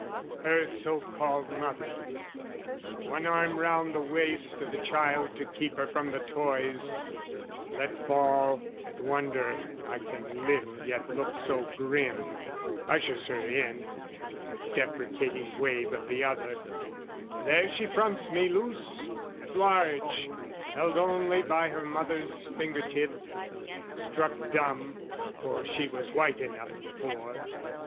Her so called mother, one arm round the waist O' the child to keep her from the toys let fall, At wonder I can live yet look so grim, Ushers her in, with deprecating wave Of the other, there she fronts me loose, at large, Held only by her mother's finger tip Struck dumb, for she was white enough before!